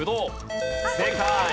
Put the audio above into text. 正解。